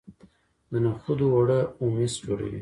د نخودو اوړه هومس جوړوي.